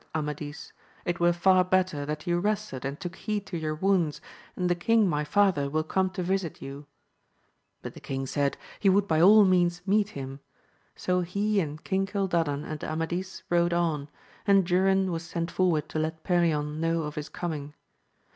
Sir, said Amadis, it were isx better that you rested and took heed to your wounds, and the king my father will come to visit you ; but the king said he would by all means meet him ; so he and King Cildadan and Amadis rode on, and Durin was sent forward to let Perion know of his coming.